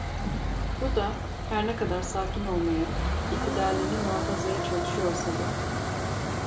Bu da, her ne kadar sakin olmaya, itidalini muhafazaya çalışıyorsa da...